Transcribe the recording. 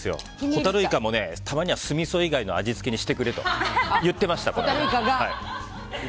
ホタルイカも、たまには酢みそ以外の味付けにしてくれと言ってました。